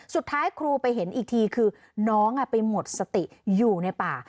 สุดท้ายครูไปเห็นอีกทีคือน้องไปหมดสติอยู่ในป่า